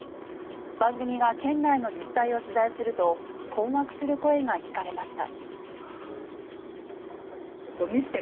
番組が県内の自治体を取材すると困惑する声が聞かれました。